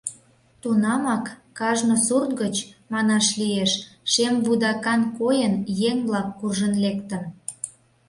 Тунамак кажне сурт гыч, манаш лиеш, шем вудакан койын, еҥ-влак куржын лектын.